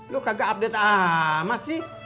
lu kagak update amat sih